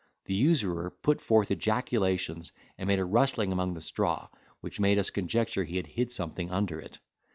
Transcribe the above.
The usurer put forth ejaculations, and made a rustling among the straw, which made us conjecture he had hid something under it.